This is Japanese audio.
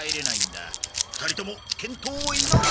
２人とも健闘を祈る！